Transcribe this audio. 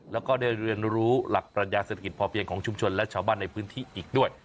แล้วก็ได้เรียนรู้หลักปรัชญาเศรษฐกิจพอเพียงของชุมชนและชาวบ้านในพื้นที่อีกด้วย